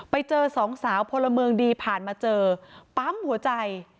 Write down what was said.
ไปเจอสองสาวพลเมืองดีผ่านมาเจอปั๊มหัวใจ